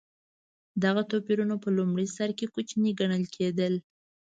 دغه توپیرونه په لومړي سر کې کوچني ګڼل کېدل.